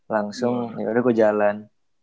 langsung yaudah gue jalan